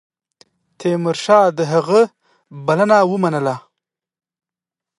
تیمورشاه د هغه بلنه ومنله.